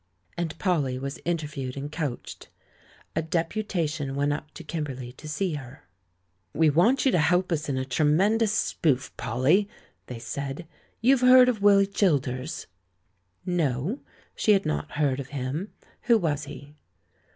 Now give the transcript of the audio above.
And Polly was interviewed and coached. A deputation went up to Kimberley to see her. "We want you to help us in a tremendous THE LAURELS AND THE LADY 105 spoof, Polly," they said. "You've heard of Willy Childers?" No, she had not heard of him; who was he?